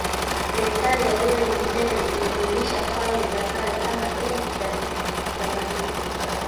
Serikali ya Yoweri Museveni ilirudisha falme za kale kama enzi za kiutamaduni